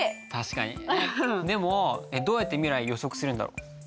でもどうやって未来を予測するんだろう？